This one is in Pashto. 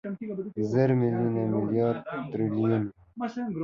زر، ميليون، ميليارد، تریلیون